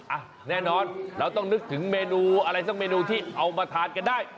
อ่ะแน่นอนเราต้องนึกถึงเมนูอะไรสักเมนูที่เอามาทานกันได้